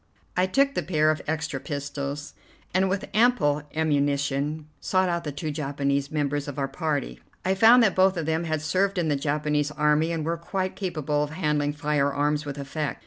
I took the pair of extra pistols, and, with ample ammunition, sought out the two Japanese members of our party. I found that both of them had served in the Japanese army and were quite capable of handling firearms with effect.